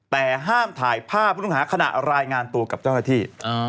แต่ห้ามถ่ายภาพผู้ต้องหาขณะรายงานตัวกับเจ้าหน้าที่